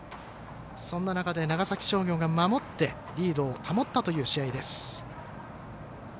そんな中で長崎商業が守ってリードを守ったという試合です。